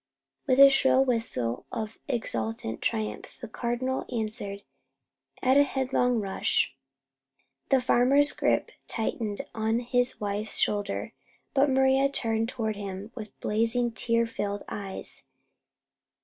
With a shrill whistle of exultant triumph the Cardinal answered at a headlong rush. The farmer's grip tightened on his wife's shoulder, but Maria turned toward him with blazing, tear filled eyes.